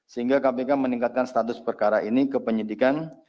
sehingga kpk meningkatkan status perkara ini ke penyidikan